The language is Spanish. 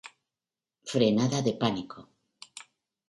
Frenada de pánico.